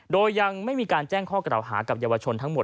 โดยยังไม่มีการแจ้งข้อกล่าวหากับเยาวชนทั้งหมด